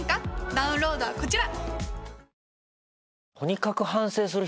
ダウンロードはこちら！